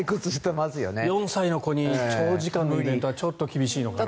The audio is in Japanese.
４歳の子に長時間のイベントはちょっと厳しいのかなと。